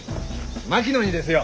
槙野にですよ。